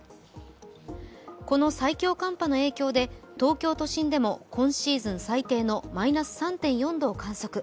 この最強寒波の影響で東京都心でも今シーズン最低のマイナス３．４度を観測。